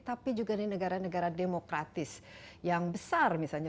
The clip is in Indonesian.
tapi juga di negara negara demokratis yang besar misalnya